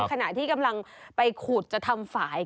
ขณะที่อยู่กำลังถามฝ่าย